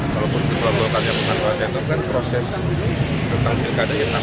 walaupun ketua umum golkar setia novanto kan proses bertanggung jawab ya sama sama